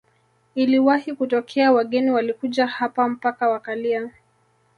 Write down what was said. Iliwahi kutokea wageni walikuja hapa mpaka wakalia